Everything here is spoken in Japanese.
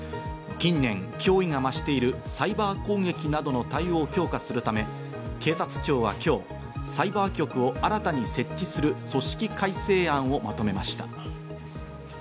近年、脅威が増しているサイバー攻撃などの対応を強化するため、警察庁は今日、サイバー局を新たに設置する組織改正案をまとめました。